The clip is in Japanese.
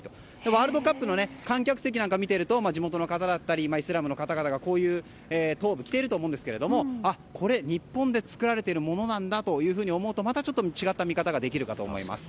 ワールドカップの観客席なんかを見ていると地元の方だったりイスラムの方がトーブを着ていると思うんですけれどもこれ、日本で作られているものなんだと思うとまたちょっと違う見方ができると思います。